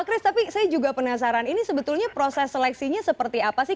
dan saya juga penasaran ini sebetulnya proses seleksinya seperti apa sih